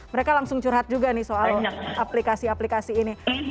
mereka langsung curhat juga nih soal aplikasi aplikasi ini